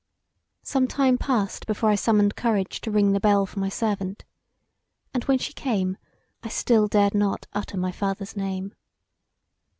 Some time passed before I summoned courage to ring the bell for my servant, and when she came I still dared not utter my father's name.